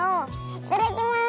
いただきます！